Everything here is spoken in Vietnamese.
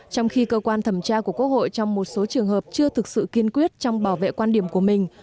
trong khi cơ quan thẩm tra của quốc hội trong một số trường hợp chưa thực sự kiên quyết trong bảo vệ quan điểm của mình